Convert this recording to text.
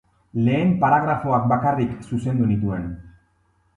Lehen paragrafoak bakarrik zuzendu nituen.